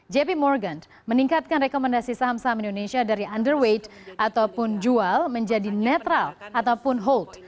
jp morgan meningkatkan rekomendasi saham saham indonesia dari underweight ataupun jual menjadi netral ataupun hold